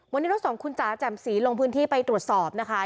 วันนี้เราส่งคุณจ๋าแจ่มสีลงพื้นที่ไปตรวจสอบนะคะ